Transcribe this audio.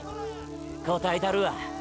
答えたるわ！